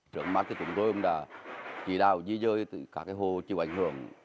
trước mắt chúng tôi đã chỉ đào di rời từ các hồ chịu ảnh hưởng